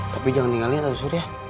tapi jangan tinggalin ya sur ya